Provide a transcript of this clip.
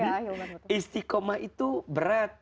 jadi istiqomah itu berat